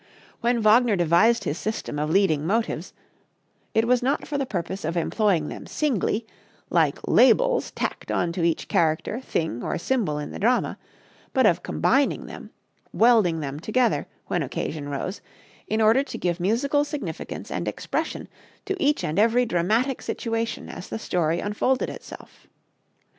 When Wagner devised his system of leading motives it was not for the purpose of employing them singly, like labels tacked onto each character, thing or symbol in the drama, but of combining them, welding them together, when occasion arose, in order to give musical significance and expression to each and every dramatic situation as the story unfolded itself.